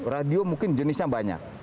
radio mungkin jenisnya banyak